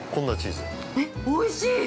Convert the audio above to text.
◆えっ、おいしい！